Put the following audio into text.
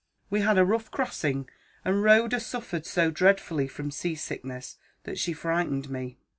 We had a rough crossing; and Rhoda suffered so dreadfully from sea sickness that she frightened me.